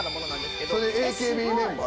それＡＫＢメンバー？